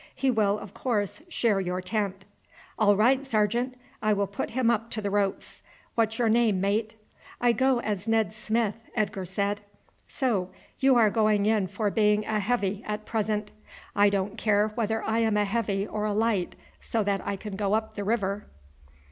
He will, of course, share your tent." "All right, sergeant! I will put him up to the ropes. What's your name, mate?" "I go as Ned Smith," Edgar said. "So you are going in for being a heavy at present." "I don't care whether I am a heavy or a light, so that I can go up the river."